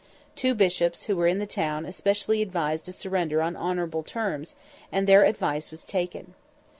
Two Bishops who were in the town especially advised a surrender on honourable terms, and their advice was taken.